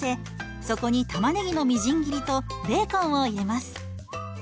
そこに玉ねぎのみじん切りとベーコンを入れます。